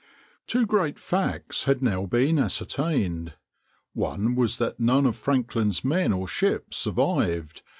Two great facts had now been ascertained. One was that none of Franklin's men or ships survived.